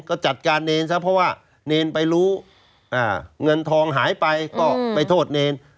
ก็จัดการเนรซะเพราะว่าเนรไปรู้เงินทองหายไปก็ไปโทษเนร